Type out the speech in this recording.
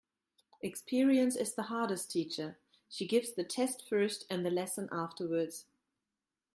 Experience is the hardest teacher. She gives the test first and the lesson afterwards.